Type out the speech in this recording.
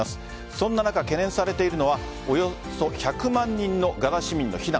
そんな中、懸念されているのはおよそ１００万人のガザ市民の避難。